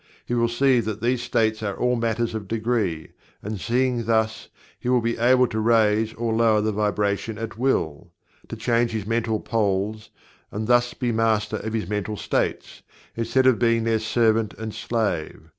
He will see that these states are all matters of degree, and seeing thus, he will be able to raise or lower the vibration at will to change his mental poles, and thus be Master of his mental states, instead of being their servant and slave.